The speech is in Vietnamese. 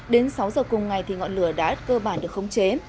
đến sáu giờ cùng ngày thì ngọn lửa đã cơ bản được khống chế